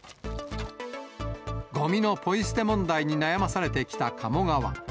ごみのポイ捨て問題に悩まされてきた鴨川。